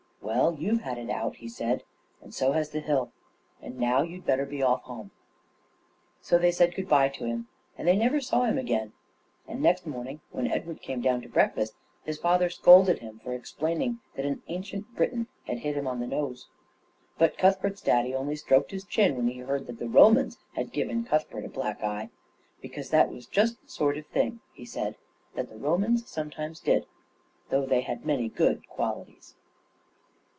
"Well, you've had it out," he said, "and so has the hill, and now you'd better be off home." So they said good bye to him, and they never saw him again; and next morning when Edward came down to breakfast, his father scolded him for explaining that an ancient Briton had hit him on the nose. But Cuthbert's daddy only stroked his chin when he heard that the Romans had given Cuthbert a black eye, because that was just the sort of thing, he said, that the Romans sometimes did, though they had many good qualities.